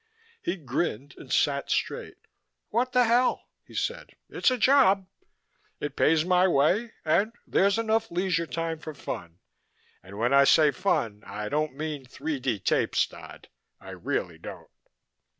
He grinned and sat straight. "What the hell," he said "It's a job. It pays my way. And there's enough leisure time for fun and when I say fun I don't mean 3D tapes, Dodd. I really don't."